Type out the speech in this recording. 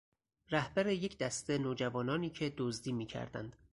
رهبر یک دسته نوجوانانی که دزدی میکردند.